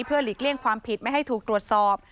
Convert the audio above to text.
เพื่อหลีกเลี่ยงความผิดไม่ให้ถูกรวสรรค์